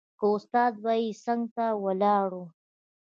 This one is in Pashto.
که استاد به يې څنګ ته ولاړ و.